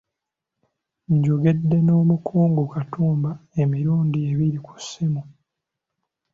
Njogedde n'omukungu Katumba emirundi ebiri ku ssimu.